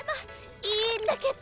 いいんだけど！